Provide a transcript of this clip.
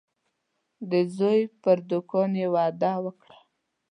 د زوی پر دوکان یې وعده وکړه.